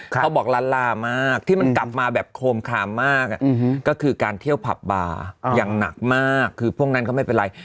เขาบอกล้านลามากที่มันกลับมาแบบโคมคามมากก็คือการเที่ยวผับบาร์อย่างหนักมากคือพวกนั้นก็ไม่เป็นไร